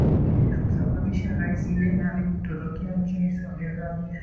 na kusabisha rais ben ali kutorokea nchini saudi arabia